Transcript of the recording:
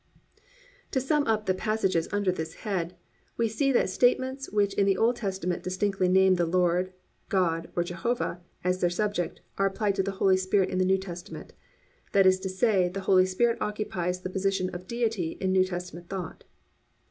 To sum up the passages under this head, we see that statements which in the Old Testament distinctly name the Lord, God or Jehovah, as their subject, are applied to the Holy Spirit in the New Testament. That is to say, the Holy Spirit occupies the position of Deity in New Testament thought.